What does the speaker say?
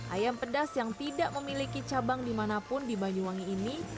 ayam pedas yang tidak memiliki cabang dimanapun di banyuwangi ini